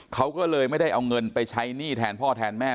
เขาก็เลยไม่ได้เอาเงินไปใช้หนี้แทนพ่อแทนแม่